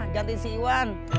ganti si iwan